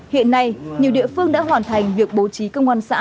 hiện nay nhiều địa phương đã hoàn thành việc bố trí công an xã